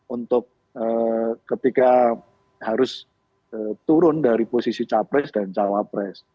untuk ketika harus turun dari posisi capres dan cawapres